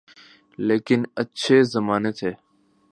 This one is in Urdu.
لیکن اچھے زمانے تھے۔